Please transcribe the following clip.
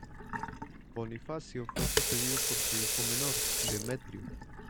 Bonifacio fue sucedido por su hijo menor, Demetrio.